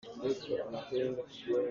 Zahan ah kan hmuh na.